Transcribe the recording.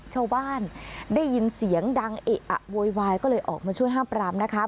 ชาวบ้านได้ยินเสียงดังเอะอะโวยวายก็เลยออกมาช่วยห้ามปรามนะคะ